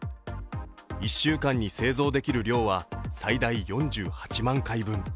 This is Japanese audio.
１週間に製造できる量は最大４８万回分。